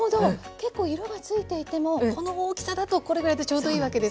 結構色がついていてもこの大きさだとこれぐらいでちょうどいいわけですか。